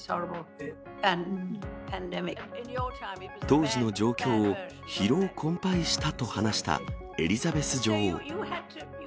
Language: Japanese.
当時の状況を、疲労困ぱいしたと話したエリザベス女王。